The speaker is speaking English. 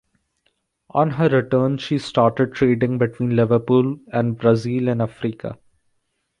On her return she started trading between Liverpool and Brazil and Africa.